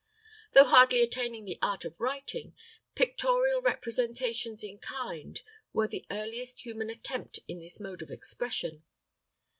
Though hardly attaining the art of writing, pictorial representations in kind were the earliest human attempt in this mode of expression.